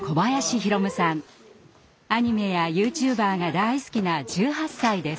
アニメやユーチューバーが大好きな１８歳です。